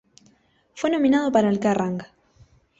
Fue nominado para el Kerrang!